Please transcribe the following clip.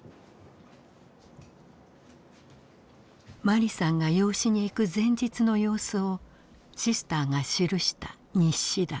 マリさんが養子に行く前日の様子をシスターが記した日誌だ。